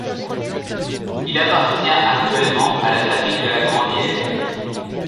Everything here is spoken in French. Il appartient actuellement à la famille de la Grandière.